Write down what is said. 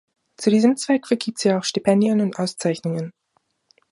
Zu diesem Zweck vergibt sie auch Stipendien und Auszeichnungen.